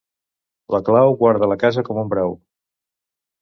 La clau guarda la casa com un brau.